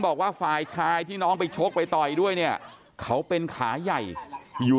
บอกว่าฝ่ายชายที่น้องไปชกไปต่อยด้วยเนี่ยเขาเป็นขาใหญ่อยู่